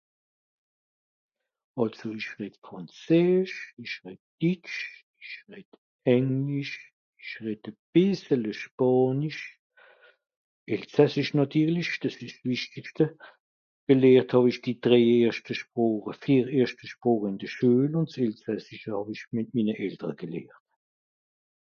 Francais, allemand, anglais je parle un.peu espagnol et bien évidemment l'alsacien, c'est le plus important Les 3 premières langues je les ai apprises à l'école et l'alsacien avec mes parents